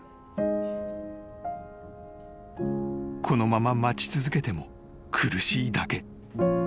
［このまま待ち続けても苦しいだけ］